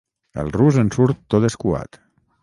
El rus en surt tot escuat.